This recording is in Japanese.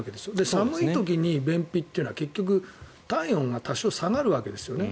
寒い時に便秘というのは体温が多少下がるんですね。